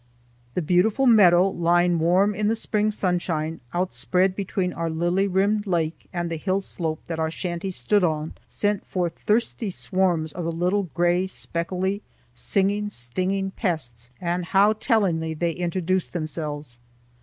The beautiful meadow lying warm in the spring sunshine, outspread between our lily rimmed lake and the hill slope that our shanty stood on, sent forth thirsty swarms of the little gray, speckledy, singing, stinging pests; and how tellingly they introduced themselves!